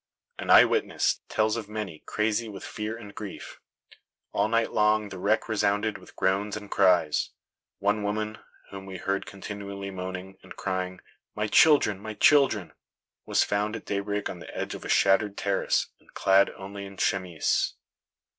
An eye witness tells of many crazy with fear and grief. All night long the wreck resounded with groans and cries. One woman, whom he heard continually moaning, and crying "My children! my children!" was found at daybreak on the edge of a shattered terrace, and clad only in a chemise.